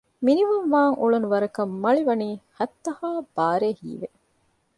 މިނިވަންވާން އުޅުނު ވަރަކަށް މަޅި ވަނީ ހައްތާ ބާރޭ ހީވެ